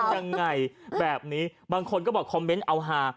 ยังไงแบบนี้บางคนก็บอกคอมเมนต์เอาหา